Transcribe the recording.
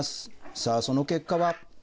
さあ、その結果は。